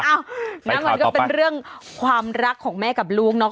มันก็เป็นเรื่องความรักของแม่กับลูกเนาะ